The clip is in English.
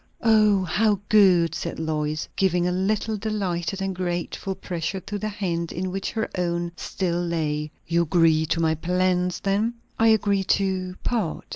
"Oh! how good!" said Lois, giving a little delighted and grateful pressure to the hand in which her own still lay. "You agree to my plans, then?" "I agree to part.